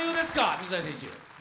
水谷選手。